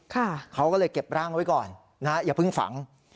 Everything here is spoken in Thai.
เขาก็เลยเก็บร่างไว้ก่อนนะฮะอย่าเพิ่งฝัง